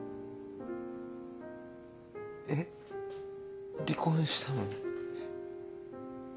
えっ離婚したのに？